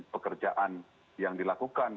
pekerjaan yang dilakukan